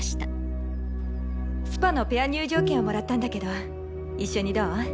スパのペア入場券をもらったんだけど一緒にどう？